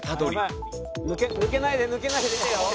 「抜けないで抜けないでよ！」